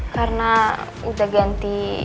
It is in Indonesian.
karena udah ganti